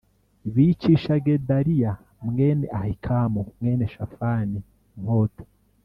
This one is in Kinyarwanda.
bicisha Gedaliya mwene Ahikamu mwene Shafani inkota